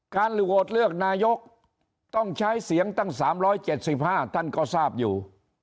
โหวตเลือกนายกต้องใช้เสียงตั้ง๓๗๕ท่านก็ทราบอยู่